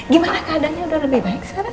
gimana keadaannya udah lebih baik sekarang